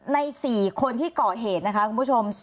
ใน๔คนที่เกาะเหตุนะคะคุณผู้ชม